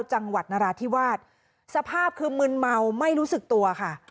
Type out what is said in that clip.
จังหวัดนราธิวาสสภาพคือมึนเมาไม่รู้สึกตัวค่ะ